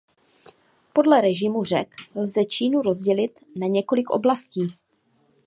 Podle režimu řek lze Čínu rozdělit na několik oblastí.